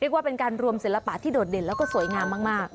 เรียกว่าเป็นการรวมศิลปะที่โดดเด่นแล้วก็สวยงามมาก